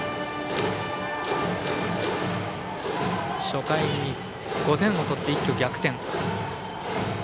初回に５点を取って一挙逆転。